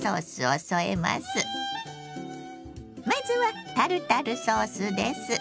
まずはタルタルソースです。